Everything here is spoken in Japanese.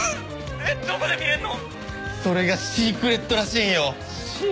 えっどこで見れるの？